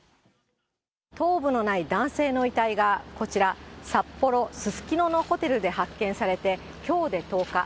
頭部のない男性の遺体が、こちら、札幌・すすきののホテルで発見されて、きょうで１０日。